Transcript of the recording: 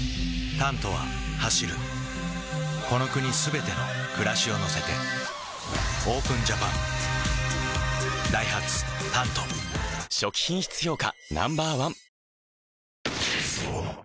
「タント」は走るこの国すべての暮らしを乗せてＯＰＥＮＪＡＰＡＮダイハツ「タント」初期品質評価